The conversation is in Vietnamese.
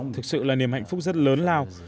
thực sự là niềm hạnh phúc rất lớn lao